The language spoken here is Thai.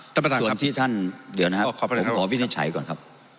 ส่วนที่ท่านเดี๋ยวนะครับผมขอวิทยาชัยก่อนครับ